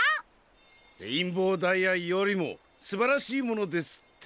レインボーダイヤよりもすばらしいものですって？